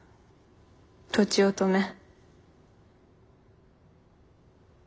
とちおとめ。